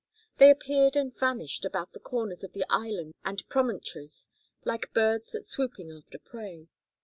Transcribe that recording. They appeared and vanished about the corners of the Islands and promontories like birds swooping after prey.